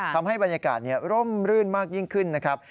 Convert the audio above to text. ทำให้บรรยากาศร่มรื่นมากยิ่งขึ้นนะครับ